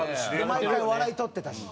毎回笑いとってたし。